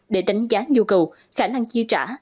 để đánh giá nhu cầu khả năng chia trả